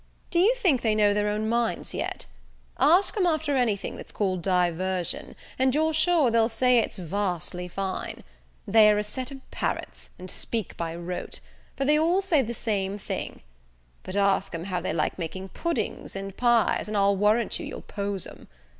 Do you think they know their own minds yet? Ask 'em after any thing that's called diversion, and you're sure they'll say it's vastly fine they are a set of parrots, and speak by rote, for they all say the same thing: but ask 'em how they like making puddings and pies, and I'll warrant you'll pose 'em.